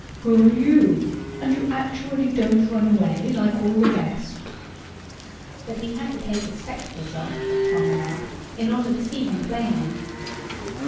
who are you? And you actually don't run away, like all the rest?" But he had to take his spectacles off, Tom remarked, in order to see him plainly.